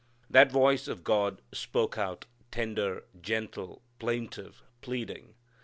That voice of God spoke out, tender, gentle, plaintive, pleading.